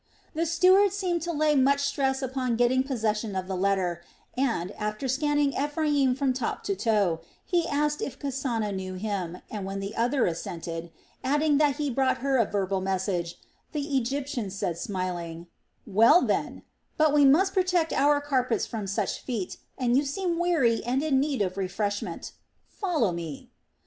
The steward seemed to lay much stress upon getting possession of the letter and, after scanning Ephraim from top to toe, he asked if Kasana knew him, and when the other assented, adding that he brought her a verbal message, the Egyptian said smiling: "Well then; but we must protect our carpets from such feet, and you seem weary and in need of refreshment. Follow me."